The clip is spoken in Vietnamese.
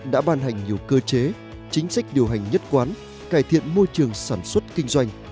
đã ban hành nhiều cơ chế chính sách điều hành nhất quán cải thiện môi trường sản xuất kinh doanh